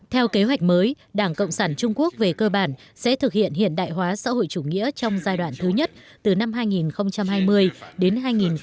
theo kế hoạch mới đảng cộng sản trung quốc về cơ bản sẽ thực hiện hiện đại hóa xã hội chủ nghĩa trong giai đoạn thứ nhất từ năm hai nghìn hai mươi đến hai nghìn hai mươi sáu